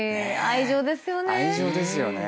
愛情ですよね。